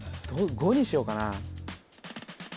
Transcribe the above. ５にしようかな